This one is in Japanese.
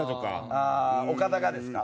ああ岡田がですか？